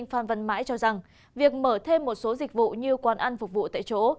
phan văn mãi cho rằng việc mở thêm một số dịch vụ như quán ăn phục vụ tại chỗ